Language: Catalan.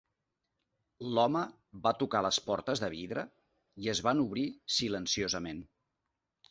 L'home va tocar les portes de vidre i es van obrir silenciosament.